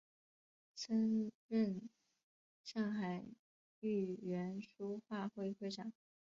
曾任上海豫园书画会会长。